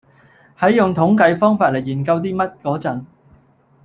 喺用統計方法嚟研究啲乜嗰陣